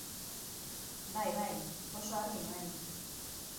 Bai, bai, oso argi nuen.